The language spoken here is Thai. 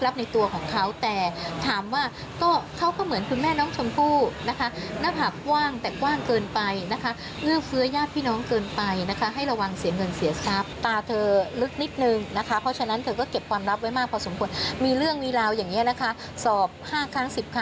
บอก๕ครั้ง๑๐ครั้งเธอก็พูดไม่หมดค่ะก็จะเป็นแบบนั้นนะคะ